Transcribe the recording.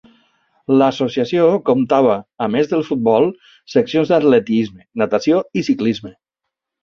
L'Associació comptava, a més del futbol, seccions d'atletisme, natació i ciclisme.